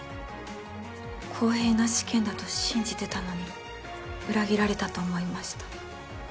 公平な試験だと信じてたのに裏切られたと思いました。